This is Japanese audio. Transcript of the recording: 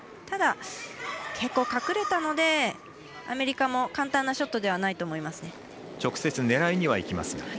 ただ結構、隠れたのでアメリカも簡単なショットではないと直接、狙いにはいきます。